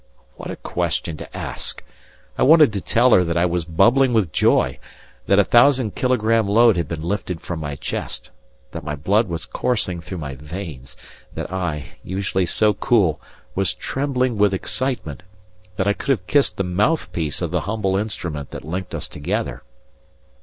What a question to ask! I wanted to tell her that I was bubbling with joy, that a thousand kilogramme load had been lifted from my chest, that my blood was coursing through my veins, that I, usually so cool, was trembling with excitement, that I could have kissed the mouthpiece of the humble instrument that linked us together.